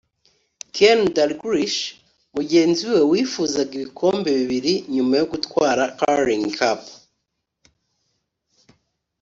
Keny Dalglish mugenzi we wifuzaga ibikombe bibiri nyuma yo gutwara Carling Cup